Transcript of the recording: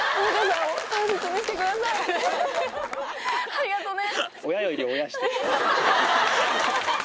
ありがとね。